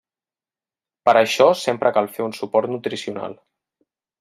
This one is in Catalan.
Per això sempre cal fer un suport nutricional.